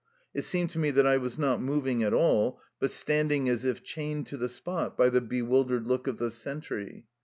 It seemed to me that I was not moving at all, but standing as if chained to the spot by the bewildered look of the sentry.